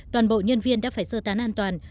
toàn bộ nhân viên đã phải sơ tán an toàn